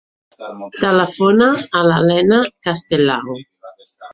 Telefona a l'Elena Castelao.